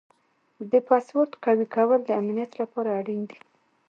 د پاسورډ قوي کول د امنیت لپاره اړین دي.